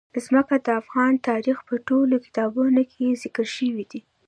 ځمکه د افغان تاریخ په ټولو کتابونو کې ذکر شوی دي.